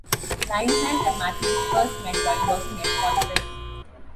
Linehan and Mathews first met while working at "Hot Press".